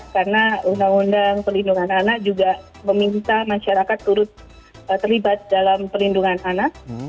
karena undang undang perlindungan anak juga meminta masyarakat turut terlibat dalam perlindungan anak